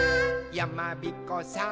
「やまびこさーん」